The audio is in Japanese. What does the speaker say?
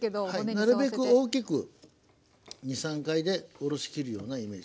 なるべく大きく２３回でおろし切るようなイメージですね。